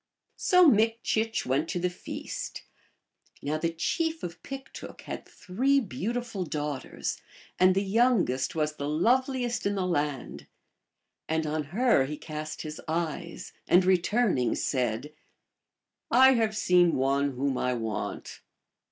* So Mikchich went to the feast. Now the chief of .Piktook had three beautiful daughters, and the young est was the loveliest in the land. And on her he cast his eyes, and returning said, " I have seen one whom I want."